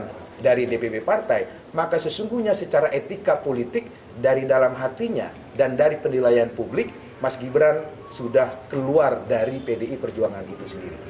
dan dari dpp partai maka sesungguhnya secara etika politik dari dalam hatinya dan dari penilaian publik mas gibran sudah keluar dari pdi perjuangan itu sendiri